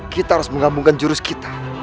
kita harus menggabungkan jurus kita